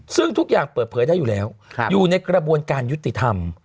ซึ่งทุกอย่างเปิดเผยได้อยู่แล้วอยู่ในกระบวนการยุติธรรม